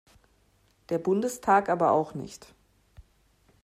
Der Bundestag aber auch nicht.